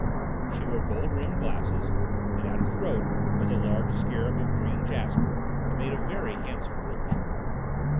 She wore gold rimmed glasses, and at her throat was a large scarab of green jasper that made a very handsome brooch.